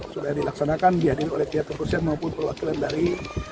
sudah dilaksanakan dihadir oleh pihak perusahaan maupun perwakilan dari